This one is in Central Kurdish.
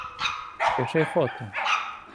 کێشەی خۆتە.